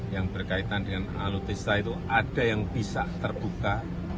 yang berkaitan dengan alutsisya itu ada yang bisa terbuka